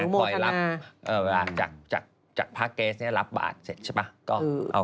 คอยรับเวลาจากผ้าเกสรับบาทเสร็จใช่ป่ะ